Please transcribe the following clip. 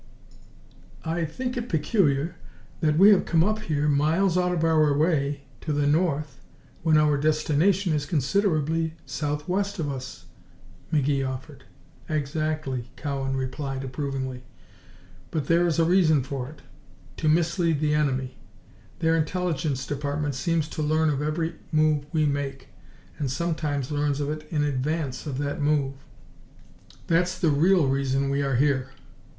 "I think it peculiar that we have come up here, miles out of our way to the north, when our destination is considerably southwest of us," McGee offered. "Exactly!" Cowan replied, approvingly. "But there is a reason for it to mislead the enemy. Their Intelligence Department seems to learn of every move we make, and sometimes learns of it in advance of that move. That's the real reason we are here."